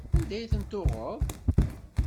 Anda ay tent-tuɣeḍ?